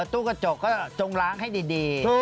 ตู้กระจกก็จงล้างให้ดี